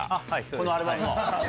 このアルバムの？